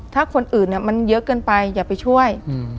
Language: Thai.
ถ้าคนอื่นมันเยอะเกินไปอย่าไปช่วย